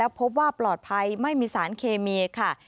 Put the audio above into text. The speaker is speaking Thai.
พบว่าปลอดภัยไม่มีสารเคมีค่ะ